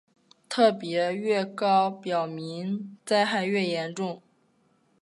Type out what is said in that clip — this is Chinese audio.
级别越高表明灾害越严重。